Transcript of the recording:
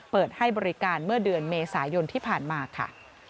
เปิดให้บริการเมื่อเดือนเมษายนที่ผ่านมาค่ะ